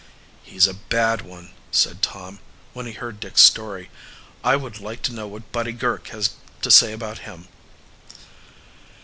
"He's a bad one," said Tom, when he heard Dick's story. "I would like to know what Buddy Girk has to say about him."